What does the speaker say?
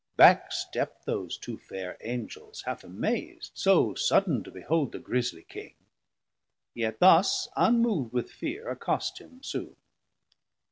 Back stept those two fair Angels half amaz'd 820 So sudden to behold the grieslie King; Yet thus, unmovd with fear, accost him soon.